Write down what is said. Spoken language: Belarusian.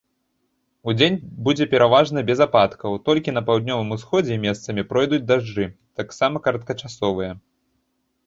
Удзень будзе пераважна без ападкаў, толькі на паўднёвым усходзе месцамі пройдуць дажджы, таксама кароткачасовыя.